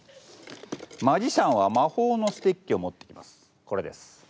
マジシャンは魔法のステッキを持っています。